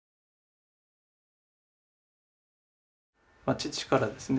父からですね